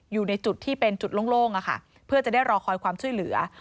อยู่ในจุดที่เป็นจุดโล่งเพื่อจะได้รอคอยความช่วยเหลือ